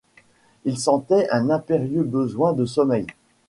Il sentait un impérieux besoin de sommeil.